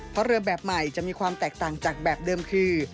เพราะเรือแบบใหม่จะมีความแตกต่างจากแบบเดิมคือ